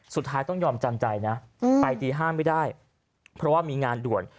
สุดท้ายต้องยอมจำใจนะไปตี๕ไม่ได้เพราะว่ามีงานด่วน